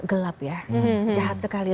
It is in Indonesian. gelap ya jahat sekali